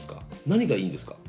何がいいんですか？